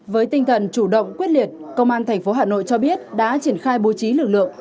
với tinh thần chủ động quyết liệt công an tp hà nội cho biết đã triển khai bố trí lực lượng